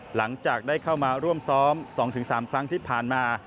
หลังจากได้เข้ามาร่วมซ้อม๒๓ครั้งที่ผ่านมา